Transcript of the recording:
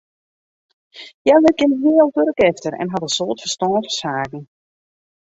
Hja lit gjin heal wurk efter en hat in soad ferstân fan saken.